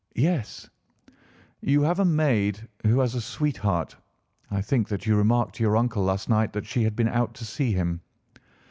"Yes." "You have a maid who has a sweetheart? I think that you remarked to your uncle last night that she had been out to see him?"